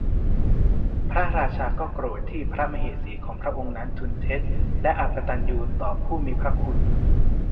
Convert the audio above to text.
พระราชาก็โกรธที่พระมเหสีของพระองค์นั้นทูลเท็จและอกตัญญูต่อผู้มีพระคุณ